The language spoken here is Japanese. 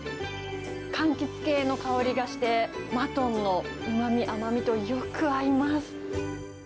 かんきつ系の香りがして、マトンのうまみ、甘みとよく合います。